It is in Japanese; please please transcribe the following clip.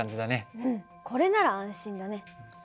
うんこれなら安心だね。